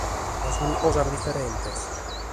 Ma sunt cosas diferentes.